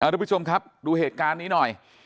ทุกผู้ชมครับดูเหตุการณ์นี้หน่อย